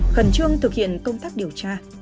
khẩn trương thực hiện công tác điều tra